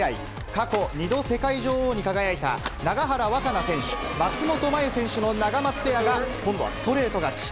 過去２度世界女王に輝いた、永原和可那選手・松本麻佑選手のナガマツペアが、今度はストレート勝ち。